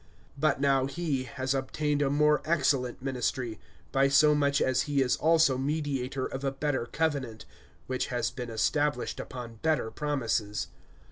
(6)But now he has obtained a more excellent ministry, by so much as he is also mediator of a better covenant, which has been established upon better promises.